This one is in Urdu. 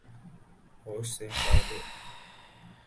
ہوش سے کا لو